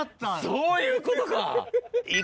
そういうことか！